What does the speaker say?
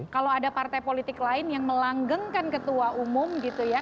kalau ada partai politik lain yang melanggengkan ketua umum gitu ya